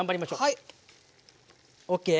はい。ＯＫ？